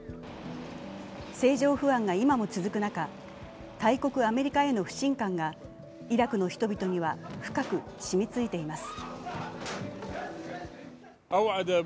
政情不安が今も続く中大国・アメリカへの不信感がイラクの人々には深くしみついています。